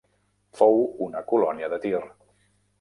Fou una colònia de Tir.